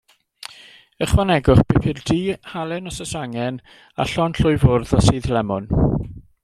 Ychwanegwch bupur du, halen os oes angen, a llond llwy fwrdd o sudd lemwn.